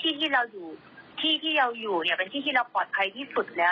ที่เราอยู่ที่ที่เราอยู่เนี่ยเป็นที่ที่เราปลอดภัยที่สุดแล้ว